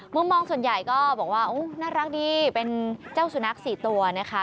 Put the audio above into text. มุมมองส่วนใหญ่ก็บอกว่าน่ารักดีเป็นเจ้าสุนัข๔ตัวนะคะ